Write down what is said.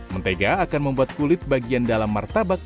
mentega akan membuat kulit bagian dalam martabak